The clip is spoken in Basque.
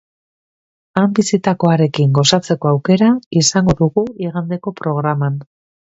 Han bizitakoarekin gozatzeko aukera izango dugu igandeko programan.